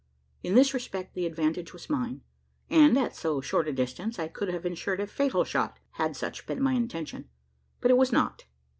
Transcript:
In this respect, the advantage was mine; and, at so short a distance, I could have insured a fatal shot had such been my intention. But it was not.